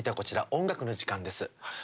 音楽の時間です。